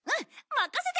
任せて！